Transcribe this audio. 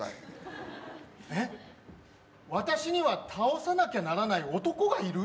えっ、私には倒さなきゃならない男がいる？